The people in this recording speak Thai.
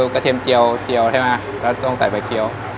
กระเทียมเกี๊ยวที่เขาจะสั่งใส่ใบเกี๊ยว